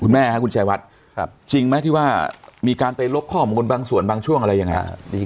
แม่ครับคุณชายวัดจริงไหมที่ว่ามีการไปลบข้อมูลบางส่วนบางช่วงอะไรยังไงฮะ